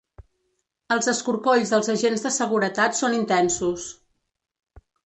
Els escorcolls dels agents de seguretat són intensos.